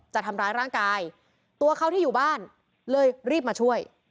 จะทำร้ายร่างกายตัวเขาที่อยู่บ้านเลยรีบมาช่วย